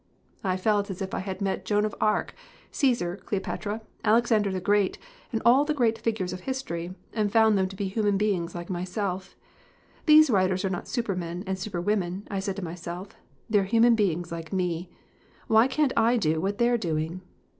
"I felt as if I had met Joan of Arc, Caesar, Cleopatra, Alexander the Great, and all the great figures of history, and found them to be human beings like myself. 'These writers are not super men and superwomen,' I said to myself, 'they are 21 LITERATURE IN THE MAKING human beings like me. Why can't I do what they're doing?'